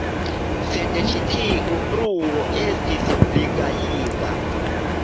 Sed ĉi tiu bruo estis pli gajiga.